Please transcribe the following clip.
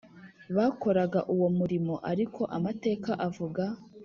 Bakoraga uwo murimo ariko amateka avuga